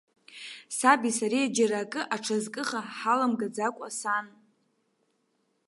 Саби сареи џьара акы аҽазкыха ҳаламгӡакәа, сан.